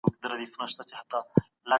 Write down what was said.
هغه به د ښه ژوند له پاره هلي ځلي وکړي.